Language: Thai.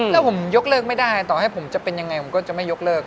ถ้าผมยกเลิกไม่ได้ต่อให้ผมจะเป็นยังไงผมก็จะไม่ยกเลิก